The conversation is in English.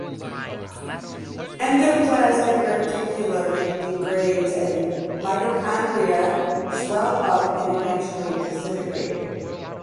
Endoplasmic reticulum degrades and mitochondria swell up and eventually disintegrate.